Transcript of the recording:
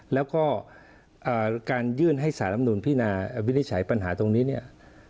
แล้วก็การยื่นให้สารำนุนพินาวินิจฉัยปัญหาตรงนี้เนี่ย